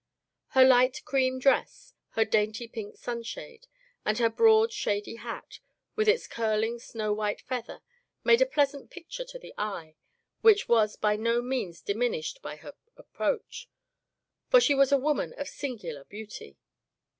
Her light cream dress, her dainty pink sunshade, and her broad shady hat, with its curling snow white feather, made a pleasant pic ture to the eye, which was by no means dimin ished by her approach, for she was a woman of singular beauty.